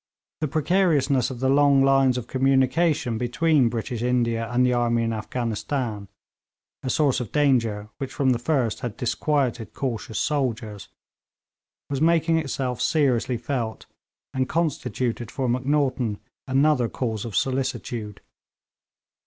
The precariousness of the long lines of communications between British India and the army in Afghanistan a source of danger which from the first had disquieted cautious soldiers was making itself seriously felt, and constituted for Macnaghten another cause of solicitude.